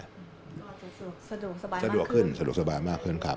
สะดวกสบายสะดวกขึ้นสะดวกสบายมากขึ้นครับ